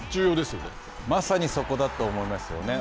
まさにそこだと思いますよね。